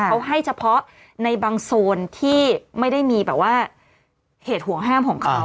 เขาให้เฉพาะในบางโซนที่ไม่ได้มีแบบว่าเหตุห่วงห้ามของเขา